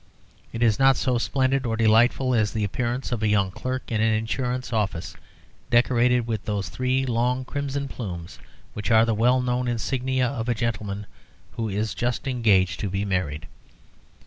It is not so splendid or delightful as the appearance of a young clerk in an insurance office decorated with those three long crimson plumes which are the well known insignia of a gentleman who is just engaged to be married.